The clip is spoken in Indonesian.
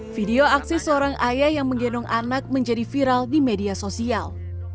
video aksi seorang ayah yang menggendong anak menjadi viral di media sosial